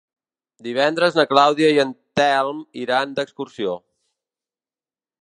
Divendres na Clàudia i en Telm iran d'excursió.